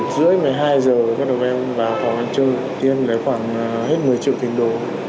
một mươi một h ba mươi một mươi hai h các đồng em vào phòng ăn chơi em lấy khoảng hết một mươi triệu tiền đồ